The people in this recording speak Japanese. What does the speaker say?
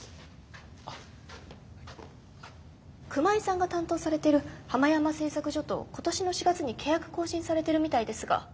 熊井さんが担当されてるハマヤマ製作所と今年の４月に契約更新されてるみたいですが。